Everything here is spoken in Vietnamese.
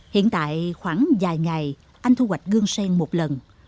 hiện tại khoảng vài ngày anh thu hoạch gương sen một lần